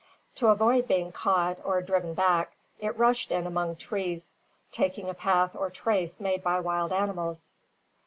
To avoid being caught or driven back, it rushed in among trees, taking a path or trace made by wild animals.